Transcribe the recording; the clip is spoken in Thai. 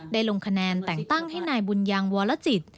ลงคะแนนแต่งตั้งให้นายบุญยางวรจิต